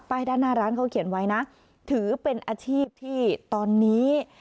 ด้านหน้าร้านเขาเขียนไว้นะถือเป็นอาชีพที่ตอนนี้